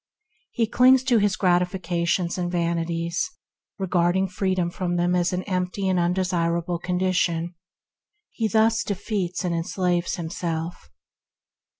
He clings to his grati fications and vanities, regarding freedom from them as an empty and undesirable 138 THE HEAVENLY LIFE condition. He thus defeats and enslaves himself.